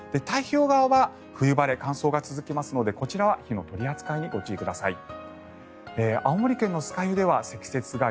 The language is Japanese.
太平洋側は冬晴れ乾燥が続きますのでこちらは火の取り扱いにご注意ください。